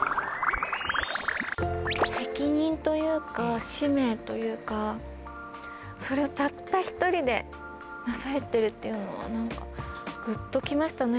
責任というか使命というかそれをたった１人でなされてるっていうのは何かぐっときましたね。